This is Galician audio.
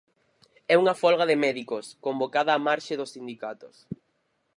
É unha folga de médicos, convocada á marxe dos sindicatos.